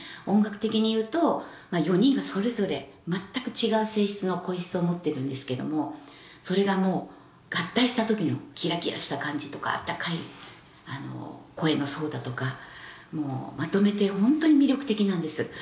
音楽的にいうと４人がそれぞれ全く違う性質の声質を持ってるんですけどもそれが合体した時のキラキラした感じとかあったかい声の層だとかまとめてホントに魅力的なんです